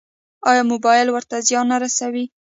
ایا موبایل ورته زیان نه رسوي؟